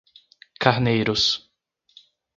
Carneiros